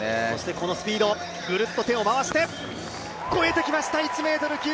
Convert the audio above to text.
このスピードぐるっと手を回して越えてきました！